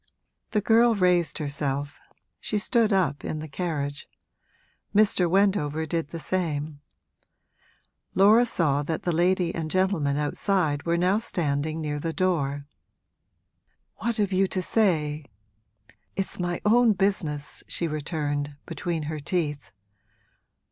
The girl raised herself, she stood up in the carriage. Mr. Wendover did the same; Laura saw that the lady and gentleman outside were now standing near the door. 'What have you to say? It's my own business!' she returned, between her teeth.